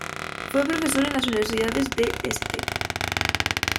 Fue profesor en las universidades de St.